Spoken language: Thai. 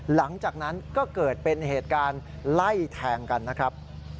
หลังจากนั้นก็เกิดเป็นเหตุการณ์ไล่แทงกันนะครับ